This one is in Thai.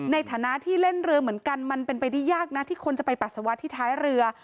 ในฐานะที่เล่นเรือเหมือนกันมันเป็นไปได้ยากนะที่คนจะไปปัสสาวะที่ท้ายเรือ